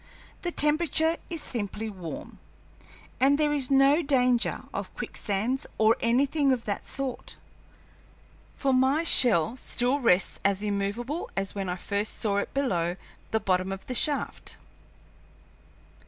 The temperature is simply warm, and there is no danger of quicksands or anything of that sort, for my shell still rests as immovable as when I first saw it below the bottom of the shaft.